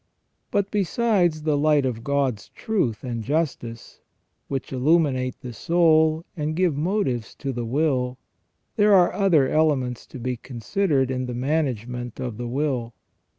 But besides the light of God's truth and justice, which illuminate the soul and give motives to the will, there are other elements to be considered in the management of the will.